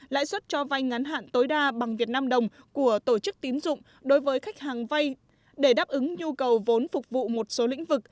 lãi suất cho vay ngắn hạn tối đa bằng việt nam đồng của tổ chức tín dụng đối với khách hàng vay để đáp ứng nhu cầu vốn phục vụ một số lĩnh vực